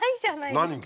何か？